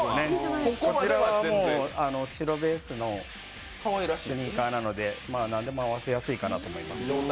こちらは白ベースのスニーカーなので何でも合わせやすいかなと思います。